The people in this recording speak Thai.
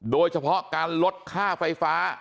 โดยเฉพาะการลดค่าไฟฟ้า